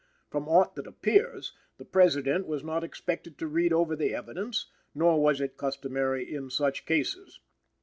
From aught that appears, the President was not expected to read over the evidence, nor was it customary in such cases.